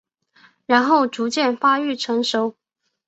然后逐渐发育成熟。